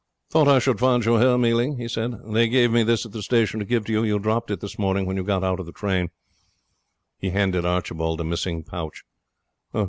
'Thought I should find you here, Mealing,' he said. 'They gave me this at the station to give to you; you dropped it this morning when you got out of the train.' He handed Archibald the missing pouch.